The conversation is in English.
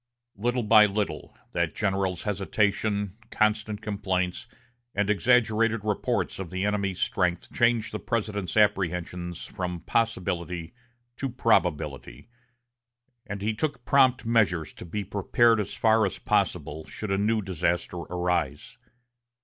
Little by little, that general's hesitation, constant complaints, and exaggerated reports of the enemy's strength changed the President's apprehensions from possibility to probability; and he took prompt measures to be prepared as far as possible, should a new disaster arise.